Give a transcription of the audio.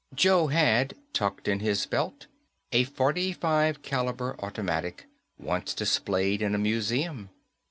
Joe had, tucked in his belt, a .45 caliber automatic, once displayed in a museum.